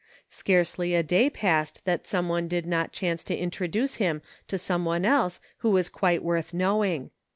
Scarcely a day passed that some one did not chance to intro duce him to some one else who was quite worth knowing.